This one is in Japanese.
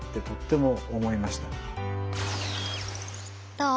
どう？